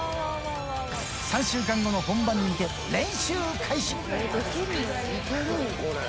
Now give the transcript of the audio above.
３週間後の本番に向け、練習開始。